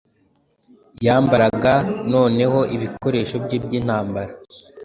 yambaraga noneho ibikoresho bye byintambara